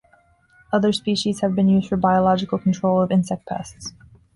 Other species have been used for biological control of insect pests.